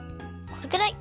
このくらい。